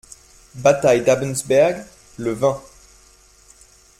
Bataille d'Abensberg, le vingt.